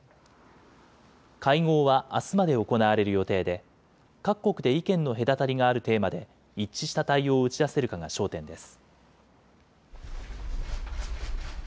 会合はあすまで行われる予定で、各国で意見の隔たりがあるテーマで、一致した対応を打ち出せるかが焦点です。